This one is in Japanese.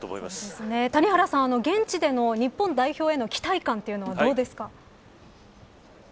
谷原さん、現地での日本代表への期待感はどうですか。